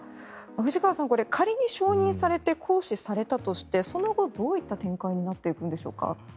藤川さん、仮に承認されて行使されたとしてその後、どういった展開になっていくんでしょうか？